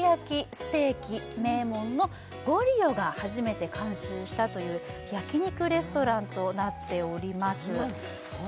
ステーキ名門の哥利歐が初めて監修したという焼肉レストランとなっております